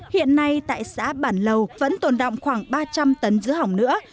hiện nay tại xã bản lầu vẫn tồn động khoảng ba trăm linh tấn dứa hỏng nữa